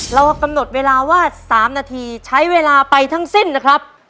เรากำหนดเวลาว่า๓นาทีใช้เวลาไปทั้งสิ้นนะครับ